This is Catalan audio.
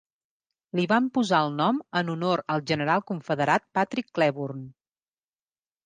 Li van posar el nom en honor al general confederat Patrick Cleburne.